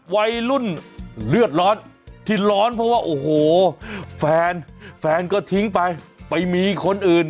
วัยรุ่นเลือดร้อนที่ร้อนเพราะว่าโอ้โหแฟนแฟนก็ทิ้งไปไปมีคนอื่น